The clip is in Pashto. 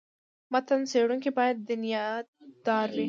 متن څېړونکی باید دیانت داره وي.